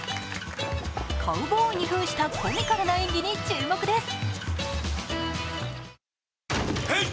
カウボーイに扮したコミカルな演技に注目です。